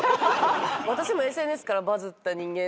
私もＳＮＳからバズった人間なんで。